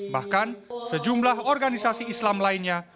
bahkan sejumlah organisasi islam lainnya